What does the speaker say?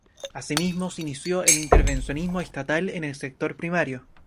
Asimismo, se inició el intervencionismo estatal en el sector primario.